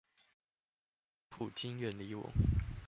普京遠離我